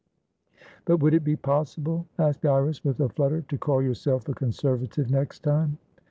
"But would it be possible?" asked Iris, with a flutter, "to call yourself a Conservative next time?"